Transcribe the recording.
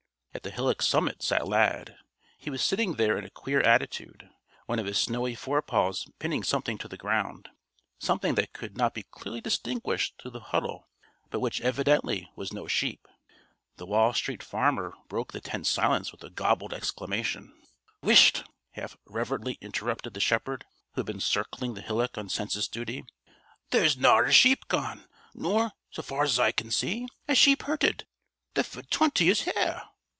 At the hillock's summit sat Lad. He was sitting there in a queer attitude, one of his snowy forepaws pinning something to the ground something that could not be clearly distinguished through the huddle but which, evidently, was no sheep. The Wall Street Farmer broke the tense silence with a gobbled exclamation. "Whisht!" half reverently interrupted the shepherd, who had been circling the hillock on census duty. "There's na a sheep gone, nor so far's I can see a sheep hurted. The fu' twenty is there."